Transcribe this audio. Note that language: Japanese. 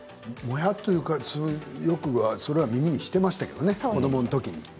モヤっとというかよくそれは耳にしていましたけどね、子どものときに。